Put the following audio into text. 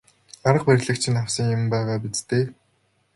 Арга барилыг чинь авсан юм байгаа биз дээ.